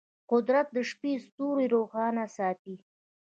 قدرت د شپې ستوري روښانه ساتي.